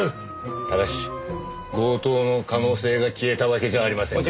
ただし強盗の可能性が消えたわけじゃありませんから。